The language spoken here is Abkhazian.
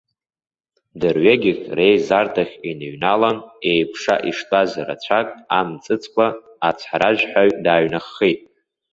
Дырҩегьых реизарҭахь иныҩналан, еикәша иштәаз рацәак аамҵыцкәа, ацҳаражәҳәаҩ дааҩнаххит.